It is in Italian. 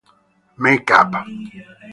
Make Up!